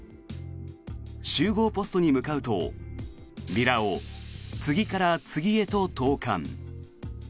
集合ポストに向かうとビラを次から次へと投函。